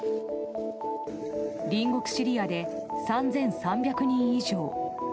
隣国シリアで３３００人以上。